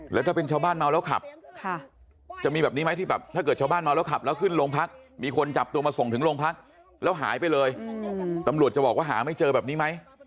แล้วถ้าเป็นชาวบ้านเมาแล้วขับจะมีแบบนี้ไหมที่แบบถ้าเกิดชาวบ้านเมาแล้วขับแล้วขึ้นโรงพักมีคนจับตัวมาส่งถึงโรงพักแล้วหายไปเลยตำรวจจะบอกว่าหาไม่เจอแบบนี้ไหม